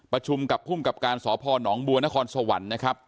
ประชุมกับภูมิกับการสพนบัวนครสวรรค์นะครับ